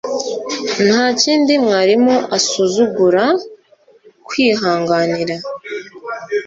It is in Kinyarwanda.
Ntakindi mwarimu asuzugura kwihanganira